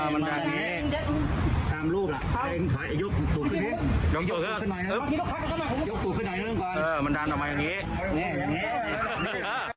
มันดันออกมาอย่างนี้